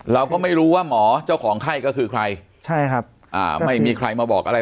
เราก็ไม่รู้ว่าหมอเจ้าของไข้ก็คือใครใช่ครับอ่าไม่มีใครมาบอกอะไร